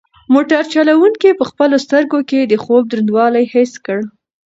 موټر چلونکي په خپلو سترګو کې د خوب دروندوالی حس کړ.